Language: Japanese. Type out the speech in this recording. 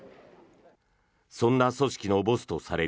そんな組織のボスとされる